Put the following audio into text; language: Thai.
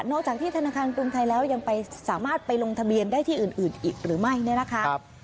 จากที่ธนาคารกรุงไทยแล้วยังสามารถไปลงทะเบียนได้ที่อื่นอีกหรือไม่เนี่ยนะคะ